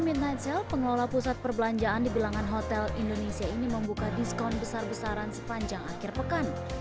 midnight sale pengelola pusat perbelanjaan di bilangan hotel indonesia ini membuka diskon besar besaran sepanjang akhir pekan